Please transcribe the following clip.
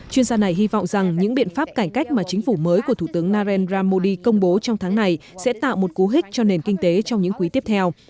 chuyên gia này hy vọng rằng những biện pháp cải cách mà chính phủ mới của thủ tướng narendra modi công bố trong tháng này sẽ tạo một cú hích cho nền kinh tế trong những quý tiếp theo